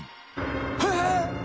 え？